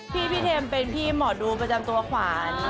พี่เทมเป็นพี่หมอดูประจำตัวขวาน